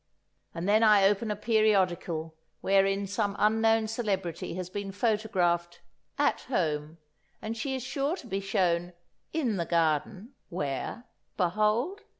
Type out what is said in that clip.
And then I open a periodical wherein some unknown celebrity has been photographed "at home"; and she is sure to be shown "in the garden," where, behold!